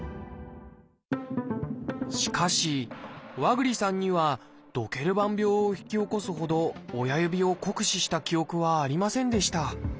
しかし和栗さんにはドケルバン病を引き起こすほど親指を酷使した記憶はありませんでした。